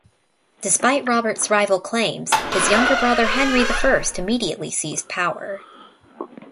Despite Robert's rival claims, his younger brother Henry the First immediately seized power.